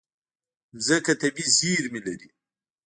مځکه طبیعي زیرمې لري.